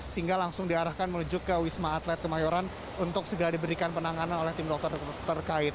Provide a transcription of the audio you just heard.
sehingga langsung diarahkan menuju ke wisma atlet kemayoran untuk segera diberikan penanganan oleh tim dokter terkait